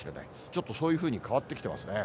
ちょっとそういうふうに変わってきてますね。